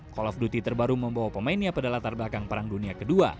call of duty terbaru membawa pemainnya pada latar belakang perang dunia ii